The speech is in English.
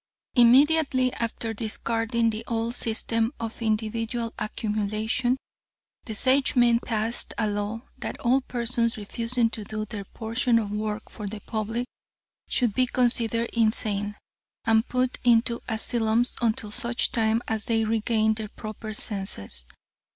"Immediately after discarding the old system of individual accumulation, the Sagemen passed a law that all persons refusing to do their portion of work for the public should be considered insane, and put into asylums until such time as they regained their proper senses.